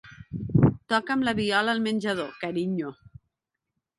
Toca'm la viola al menjador, carinyo.